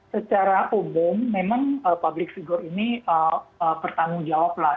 secara umum memang public figure ini bertanggung jawab lah